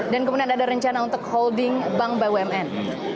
dan kepnernak ada rencana untuk holding bank by wmn